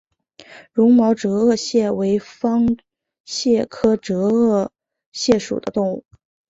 绒毛折颚蟹为方蟹科折颚蟹属的动物。